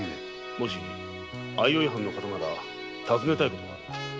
もし相生藩の方なら尋ねたいことがある。